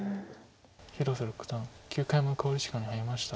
広瀬六段９回目の考慮時間に入りました。